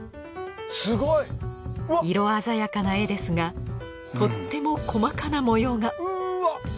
すごい！色鮮やかな絵ですがとっても細かな模様が。